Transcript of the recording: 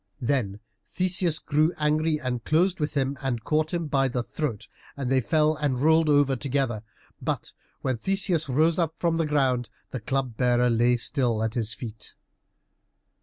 Then Theseus grew angry and closed with him, and caught him by the throat, and they fell and rolled over together. But when Theseus rose up from the ground the Club bearer lay still at his feet.